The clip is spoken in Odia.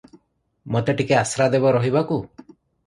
ମୋତେ ଟିକିଏ ଆଶ୍ରା ଦେବ ରହିବାକୁ?"